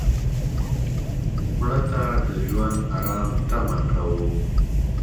مړه ته د ژوند آرام تمه کوو